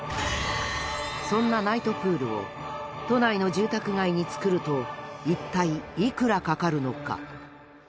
そんなナイトプールを都内の住宅街に造ると一体いくらかかるのか？